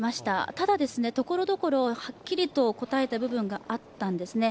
ただ、ところどころはっきりと答えた部分があったんですね。